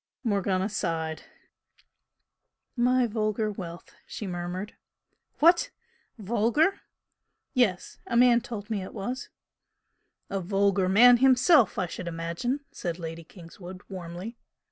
Morgana sighed. "My vulgar wealth!" she murmured. "What? Vulgar?" "Yes. A man told me it was." "A vulgar man himself, I should imagine!" said Lady Kingswood, warmly.